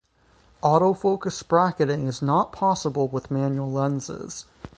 Auto focus bracketing is not possible with manual lenses.